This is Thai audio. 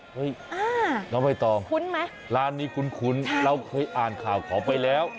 น้องใบตองคุ้นไหมร้านนี้คุ้นเราเคยอ่านข่าวเขาไปแล้ว